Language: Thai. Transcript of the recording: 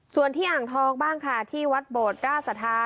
ส่วนที่อ่างทองบ้างค่ะที่วัดโบดราชสัทธา